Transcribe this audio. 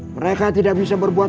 mereka tidak bisa berbuat